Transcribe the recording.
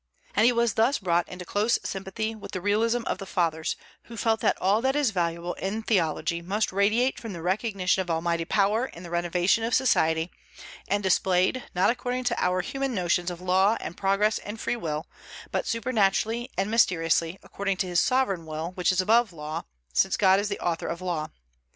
And he was thus brought into close sympathy with the realism of the Fathers, who felt that all that is valuable in theology must radiate from the recognition of Almighty power in the renovation of society, and displayed, not according to our human notions of law and progress and free will, but supernaturally and mysteriously, according to his sovereign will, which is above law, since God is the author of law.